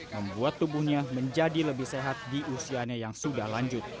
membuat tubuhnya menjadi lebih sehat di usianya yang sudah lanjut